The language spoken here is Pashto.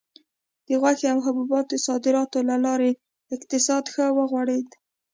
د غوښې او حبوباتو صادراتو له لارې اقتصاد ښه وغوړېد.